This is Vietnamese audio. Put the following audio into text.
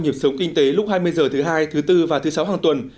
nhịp sống kinh tế lúc hai mươi h thứ hai thứ bốn và thứ sáu hàng tuần